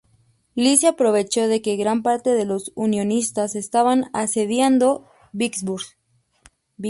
Lee se aprovechó de que gran parte de los unionistas estaban asediando Vicksburg.